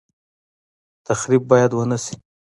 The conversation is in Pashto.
تخریب باید ونشي